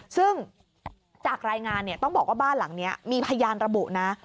ซึ่งจากรายงานต้องบอกว่าบ้านหลังนี้มีพยานระบุนะ